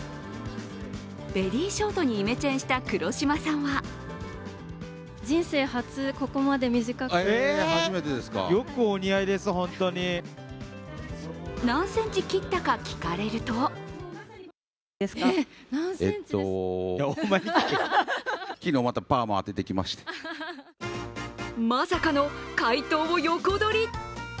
ベリーショートにイメチェンした黒島さんは何ｃｍ切ったか聞かれるとまさかの回答を横取り。